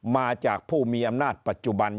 มาจากผู้มีอำนาจปัจจุบัน